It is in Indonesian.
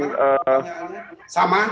yang nanti kita bisa temukan